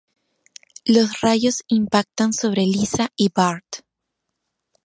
Los rayos impactan sobre Lisa y Bart.